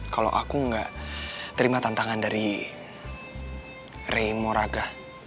kalau aku gak terima tantangan dari ray moraga